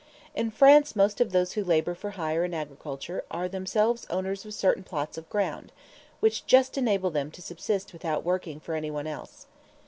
In France most of those who labor for hire in agriculture, are themselves owners of certain plots of ground, which just enable them to subsist without working for anyone else.